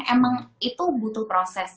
emang itu butuh proses